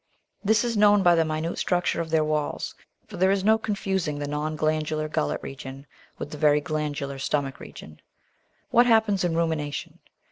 This is known by the minute structure of their walls, for there is no confusing the non glandular gullet region with the very glandular stomach region. What happens in rumination?